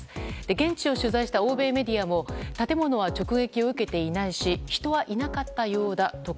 現地を取材した欧米メディアも建物は直撃を受けていないし人はいなかったようだとか